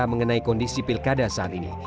mengenai kondisi pilkada saat ini